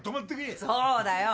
そうだよ。